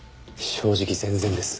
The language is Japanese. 正直全然です。